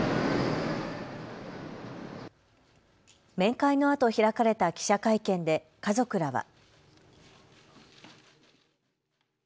面会のあと開かれた記者会見で家族らは。